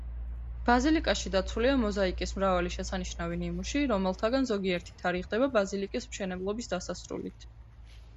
ბაზილიკაში დაცულია მოზაიკის მრავალი შესანიშნავი ნიმუში, რომელთაგან ზოგიერთი თარიღდება ბაზილიკის მშენებლობის დასასრულით.